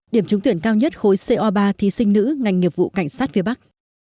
điểm trúng tuyển cao nhất khối co ba thí sinh nữ ngành nghiệp vụ cảnh sát phía bắc